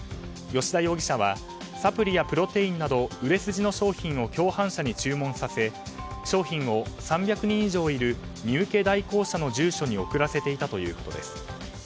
吉田容疑者はサプリやプロテインなど売れ筋の商品を共犯者に注文させ商品を３００人以上いる荷受け代行者の住所に送らせていたということです。